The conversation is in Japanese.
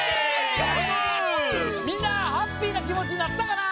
みんなハッピーなきもちになったかな？